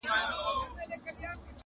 پرون یې بیا راته په شپو پسي شپې ولیکلې -